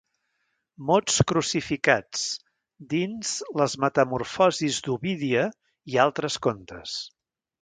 «Mots crucificats» dins Les metamorfosis d'Ovídia i altres contes.